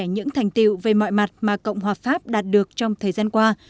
những thành tiệu về mọi mặt mà cộng hòa pháp đạt được trong thời gian qua